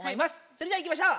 それじゃいきましょう！